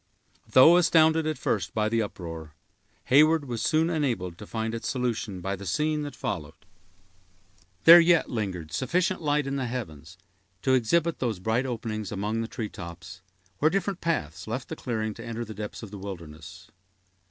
Though astounded, at first, by the uproar, Heyward was soon enabled to find its solution by the scene that followed. There yet lingered sufficient light in the heavens to exhibit those bright openings among the tree tops, where different paths left the clearing to enter the depths of the wilderness.